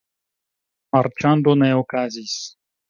Marĉando ne okazis.